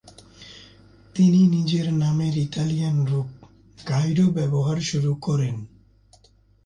তিনি নিজের নামের ইতালিয়ান রূপ, গাইডো ব্যবহার শুরু করেন।